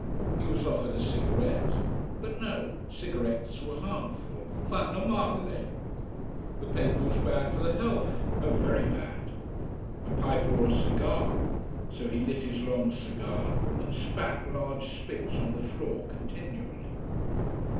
He was offered a cigarette. But no, cigarettes were harmful: fanno male. The paper was bad for the health: oh, very bad. A pipe or a cigar. So he lit his long cigar and spat large spits on the floor, continually.